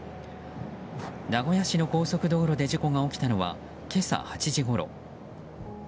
名古屋市の高速道路で事故が起きたのは今朝８時ごろ。